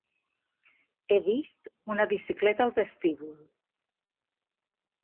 He vist una bicicleta al vestíbul.